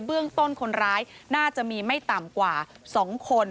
เบื้องต้นคนร้ายน่าจะมีไม่ต่ำกว่า๒คน